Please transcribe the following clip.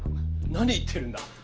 何言ってるんだ。